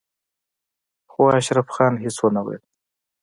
خو اشرف خان هېڅ ونه ويل.